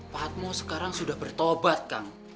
patmo sekarang sudah bertobat kang